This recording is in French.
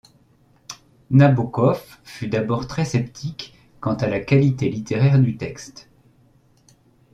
Nabokov fut d'abord très sceptique quant à la qualité littéraire du texte.